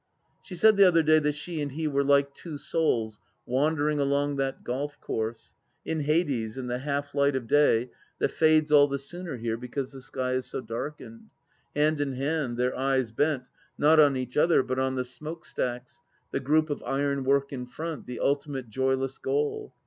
She said the other day that she and he were like two souls wandering along that golf course — in Hades, in the half light of day that fades all the sooner here because the sky is so darkened — hand in hand, their eyes bent, not on each other, but on the smoke stacks, the group of ironwork in front, the ultimate joyless goal.